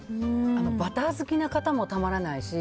バター好きな方もたまらないし